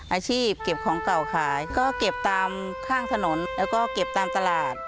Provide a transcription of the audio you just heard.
อาชีพเก็บของเก่าขายก็เก็บตามข้างถนนแล้วก็เก็บตามตลาด